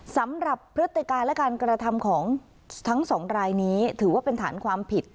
สำหรับพฤติการและการกระทำของทั้งสองรายนี้ถือว่าเป็นฐานความผิด